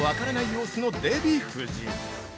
様子のデヴィ夫人